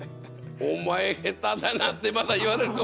お前下手だなってまた言われるかもしれない。